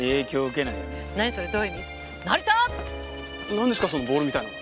なんですかそのボールみたいの？